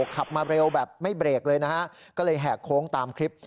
ขับมาเร็วแบบไม่เบรกเลยนะฮะก็เลยแหกโค้งตามคลิป